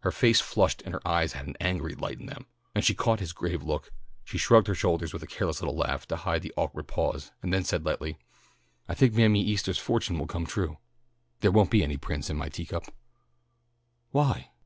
Her face flushed and her eyes had an angry light in them. As she caught his grave look, she shrugged her shoulders with a careless little laugh, to hide the awkward pause, and then said lightly: "I think Mammy Eastah's fortune will come true. There won't be any prince in my tea cup." "Why?"